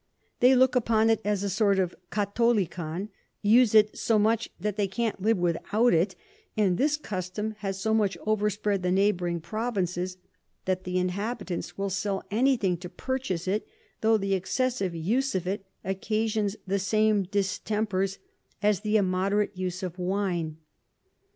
They look upon it as a sort of Catholicon, use it so much that they can't live without it; and this Custom has so much overspread the neighbouring Provinces, that the Inhabitants will sell any thing to purchase it, tho the excessive Use of it occasions the same Distempers as the immoderate Use of Wine.